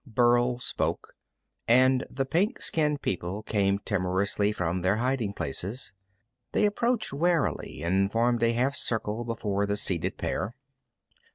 Burl spoke, and the pink skinned people came timorously from their hiding places. They approached warily and formed a half circle before the seated pair.